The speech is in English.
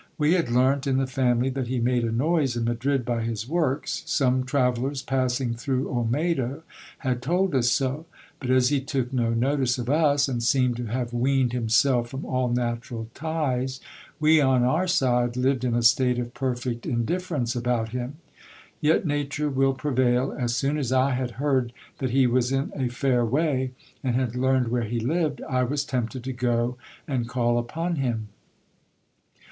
We had learnt in the family, that he made a noise in Madrid by his works ; some tra vellers, passing through Olmedo, had told us so ; but as he took no notice of us, and seemed to have weaned himself from all natural ties, we on our side lived in a state of perfect indifference about him. Yet nature will prevail : as soon as I had heard that he was in a fair way, and had learned where he lived, I was tempted to go and call upon him.